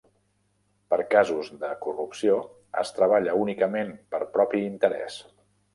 Per casos de corrupció, es treballa únicament per propi interès.